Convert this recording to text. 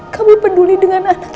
kamu peduli dengan anak